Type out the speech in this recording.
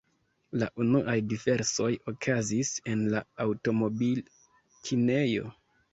La unuaj diservoj okazis en la aŭtomobil-kinejo.